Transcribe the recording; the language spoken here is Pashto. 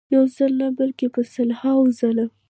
یو ځل نه بلکې په سلهاوو ځله.